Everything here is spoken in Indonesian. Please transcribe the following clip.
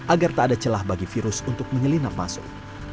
agar tak ada celah bagi virus untuk menyelinap masuk